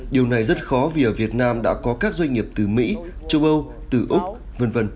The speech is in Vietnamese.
điều này rất khó vì ở việt nam đã có các doanh nghiệp từ mỹ châu âu từ úc v v